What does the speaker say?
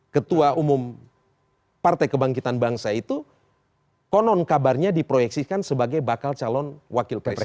ketua umum partai kebangkitan bangsa itu konon kabarnya diproyeksikan sebagai bakal calon wakil presiden